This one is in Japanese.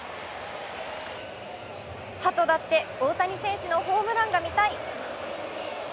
ハトだって大谷選手のホームランが見たい！